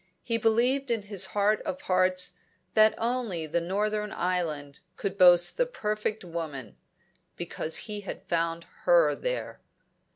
He believed in his heart of hearts that only the Northern Island could boast the perfect woman because he had found her there.